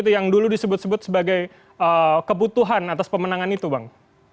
yang dulu disebut sebut sebagai kebutuhan atas pemenangan itu bang